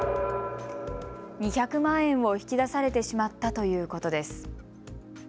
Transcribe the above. ２００万円を引き出されてしまったということです。